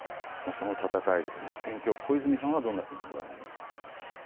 その戦い、戦況を小泉さんはどんなふうにご覧になりますか。